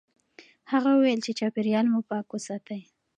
هغه وویل چې چاپیریال مو پاک وساتئ.